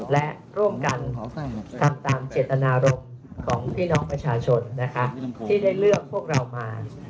และร่วมกันทำตามเจตนารมณ์ของพี่น้องประชาชนนะคะที่ได้เลือกพวกเรามา